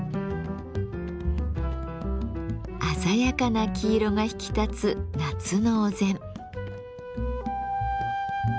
鮮やかな黄色が引き立つ夏のお膳。